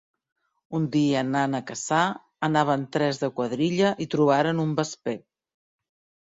Un dia anant a caçar anaven tres de quadrilla i trobaren un vesper.